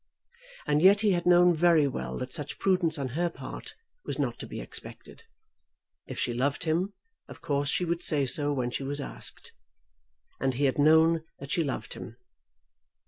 And yet he had known very well that such prudence on her part was not to be expected. If she loved him, of course she would say so when she was asked. And he had known that she loved him.